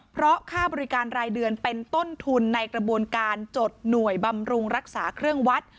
เพราะค่าบริการรายเดือนเป็นต้นทุนในกระบวนการจดหน่วยบำรุงรักษาเครื่องวัด